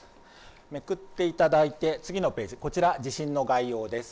めくっていただいて次のページ、こちら地震の概要です。